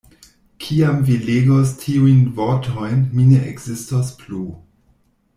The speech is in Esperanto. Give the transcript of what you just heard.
Kiam vi legos tiujn vortojn, mi ne ekzistos plu.